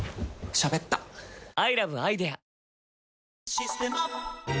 「システマ」